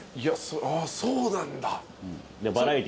あっそうなんだ。